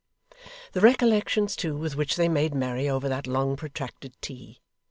The recollections, too, with which they made merry over that long protracted tea!